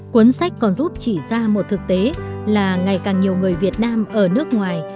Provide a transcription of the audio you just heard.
cuốn sách còn giúp chỉ ra một thực tế là ngày càng nhiều người việt nam ở nước ngoài